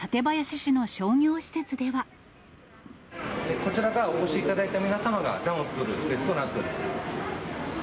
こちらが、お越しいただいた皆様が暖をとるスペースとなっております。